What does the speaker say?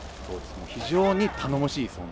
非常に頼もしい存在。